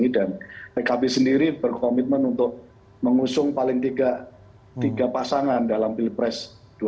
dan pkb sendiri berkomitmen untuk mengusung paling tiga pasangan dalam pilpres dua ribu dua puluh empat